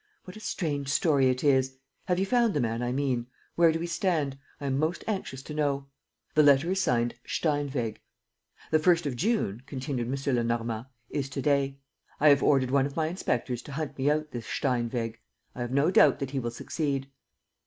What a strange story it is! Have you found the man I mean? Where do we stand? I am most anxious to know.' The letter is signed, 'Steinweg.' The first of June," continued M. Lenormand, "is to day. I have ordered one of my inspectors to hunt me out this Steinweg. I have no doubt that he will succeed."